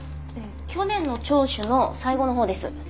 去年の聴取の最後のほうです。